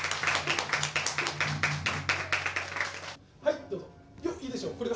いいでしょう。